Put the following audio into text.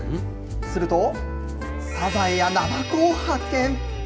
すると、サザエやナマコを発見。